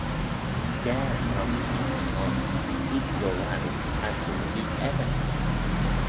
Daa ghrogh eeck t'ayn, geeck rolaue, as dyn geeck edyr